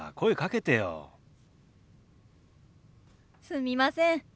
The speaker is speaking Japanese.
すみません。